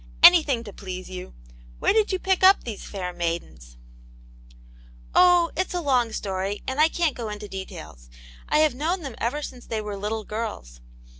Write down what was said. Anything to please you. Where did you pick up these fair maidens ?"" Oh, it's a long story, and I can't go into details. I have known them ever since they were little girls.